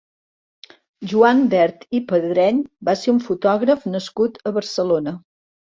Joan Bert i Padreny va ser un fotògraf nascut a Barcelona.